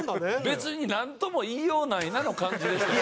別になんとも言いようないなの感じでしたよ。